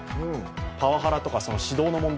パワハラとか指導の問題